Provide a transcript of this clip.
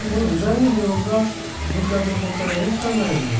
材料がぬか床から浮かないように。